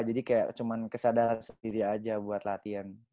jadi kayak cuman kesadaran sendiri aja buat latihan